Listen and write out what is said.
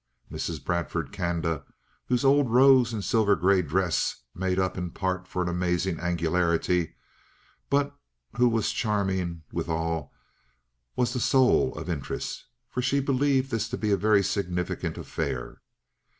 Mrs. Bradford Canda, whose old rose and silver gray dress made up in part for an amazing angularity, but who was charming withal, was the soul of interest, for she believed this to be a very significant affair.